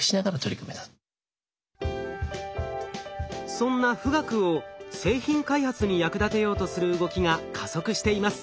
そんな富岳を製品開発に役立てようとする動きが加速しています。